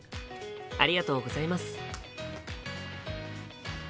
ありがとうございます。